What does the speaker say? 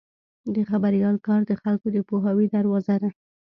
د خبریال کار د خلکو د پوهاوي دروازه ده.